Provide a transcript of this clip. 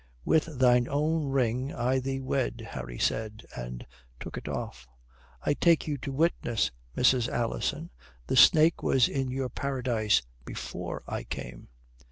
"With thine own ring I thee wed," Harry said, and took it off. "I take you to witness, Mrs. Alison, the snake was in your paradise before I came."